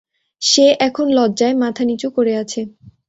সে এখন লজ্জায় মাথা নিচু করে আছে!